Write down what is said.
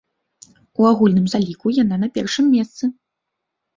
У агульным заліку яна на першым месцы.